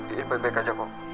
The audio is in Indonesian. iit balik balik aja kok